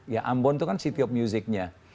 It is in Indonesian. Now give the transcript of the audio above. ya ambon itu kan city of musicnya